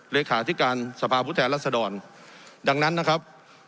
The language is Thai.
เลขาธิการสภาพผู้แทนรัศดรดังนั้นนะครับ